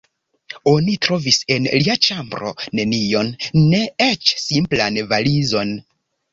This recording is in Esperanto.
Oni trovis en lia ĉambro nenion, ne eĉ simplan valizon.